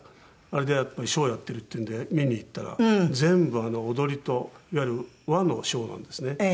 あれでショーをやっているっていうんで見に行ったら全部踊りといわゆる和のショーなんですね。